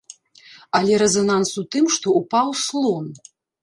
Але рэзананс у тым, што ўпаў слон!